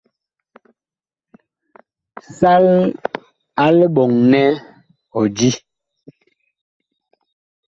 Sal a liɓɔŋ nɛ ɔ di.